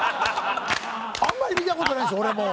あんまり見た事ないんです俺も。